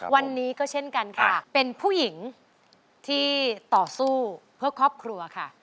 วันนี้ก็เช่นกันค่ะเป็นผู้หญิงที่ต่อสู้เพื่อครอบครัวค่ะ